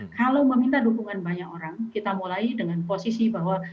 kalau meminta dukungan banyak orang kita mulai dengan posisi bahwa